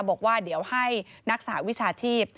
บอกว่าเดี๋ยวให้นักสหวิชาชีพ